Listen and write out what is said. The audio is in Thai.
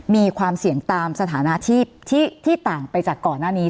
มีความเสี่ยงตามสถานะที่ต่างไปจากก่อนหน้านี้